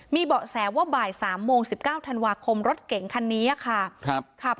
มีเบาะแสว่าบ่ายสามโมงสิบเก้าธันวาคมรถเก่งคันนี้อะค่ะครับ